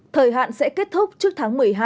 thời hạn sẽ kết thúc trước tháng một mươi hai